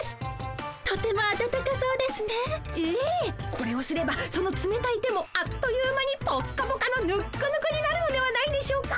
これをすればそのつめたい手もあっという間にポッカポカのヌックヌクになるのではないでしょうか？